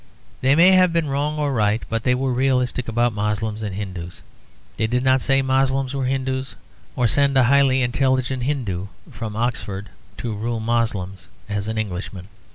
They may have been wrong or right but they were realistic about Moslems and Hindoos; they did not say Moslems were Hindoos, or send a highly intelligent Hindoo from Oxford to rule Moslems as an Englishman.